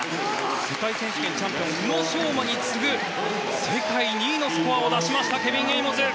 世界選手権チャンピオン宇野昌磨に次ぐ世界２位のスコアを出したケビン・エイモズ。